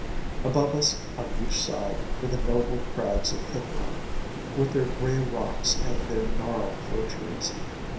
Above us on each side were the noble crags of Cithæron, with their gray rocks and their gnarled fir trees.